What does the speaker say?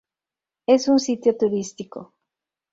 Es un sitio turístico.